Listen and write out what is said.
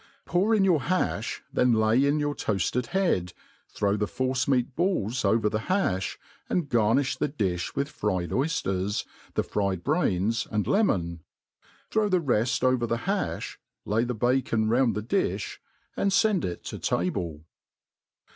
Pour in your haft, then lay in your toafled head, throw the force* meat balls over the hafh, and garniSi the difh with fried oy fiers, the fried brains, and lemon; throw the reft over the hafh, lay the bacon round the difh, and fend it to table.